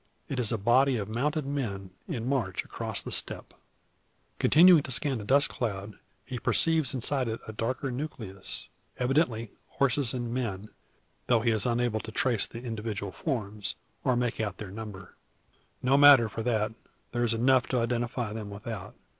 It is a body of mounted men in march across the steppe. Continuing to scan the dust cloud, he perceives inside it a darker nucleus, evidently horses and men, though he is unable to trace the individual forms, or make out their number. No mattes for that; there is enough to identify them without.